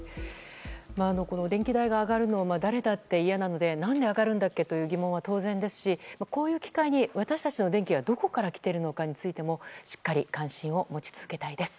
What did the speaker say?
電気代が上がることによって何で上がるんだっけという疑問は当然ですしこういう機会に私たちの電気がどこからきているかについてもしっかり関心を持ち続けたいです。